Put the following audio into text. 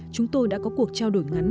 chúng tôi đã có cuộc trao đổi ngắn